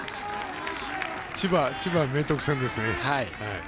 千葉明徳戦ですね。